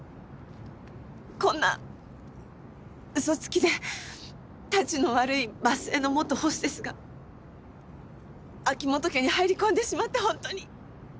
こんな嘘つきでたちの悪い場末の元ホステスが秋本家に入り込んでしまって本当に！